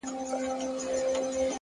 د زړه سکون له سم وجدان راځي!